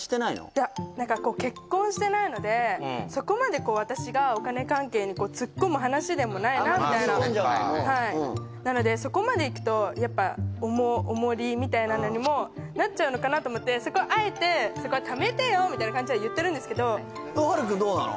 いや何か結婚してないのでそこまでこう私があんま踏み込んじゃうのもはいなのでそこまでいくとやっぱ重りみたいなのにもなっちゃうのかなと思ってそこはあえて「ためてよ」みたいな感じは言ってるんですけど晴生くんどうなの？